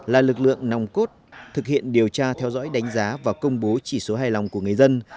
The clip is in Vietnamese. là lực lượng nòng cốt thực hiện điều tra theo dõi đánh giá và công bố chỉ số hài lòng của người dân